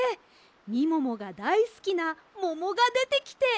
みももがだいすきなももがでてきて。